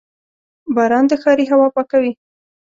• باران د ښاري هوا پاکوي.